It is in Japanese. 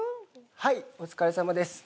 はいお疲れさまです。